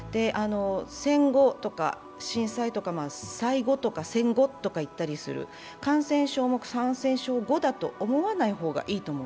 戦後とか震災とか、災後とか戦後とか言ったりする感染症も感染症後だと思わない方がいい。